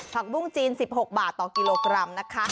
บุ้งจีน๑๖บาทต่อกิโลกรัมนะคะ